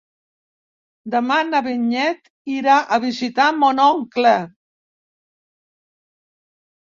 Demà na Vinyet irà a visitar mon oncle.